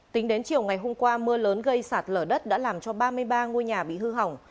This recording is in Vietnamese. tính đến chiều ngày hôm qua mưa lớn gây sạt lở đất đã làm cho ba mươi ba ngôi nhà bị hư hỏng